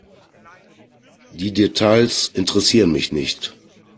Die Details interessieren mich nicht.